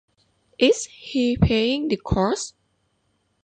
Is he paying the costs?